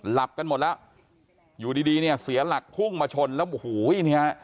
หลับกันหมดแล้วอยู่ดีดีเนี่ยเสียหลักพุ่งมาชนแล้วโอ้โหเนี่ย